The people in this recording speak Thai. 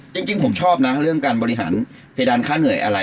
จริงผมชอบนะเรื่องการบริหารเพดานค่าเหนื่อยอะไร